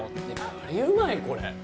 バリうまい、これ。